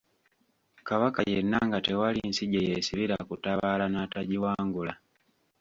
Kabaka yenna nga tewali nsi gye yeesibira kutabaala n'atagiwangula.